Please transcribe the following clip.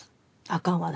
あかん私。